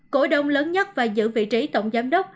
cổ đông lớn nhất và giữ vị trí tổng giám đốc